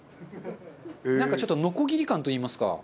なんかちょっとノコギリ感といいますか。